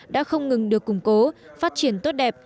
đã không ngừng được củng cố phát triển tốt đẹp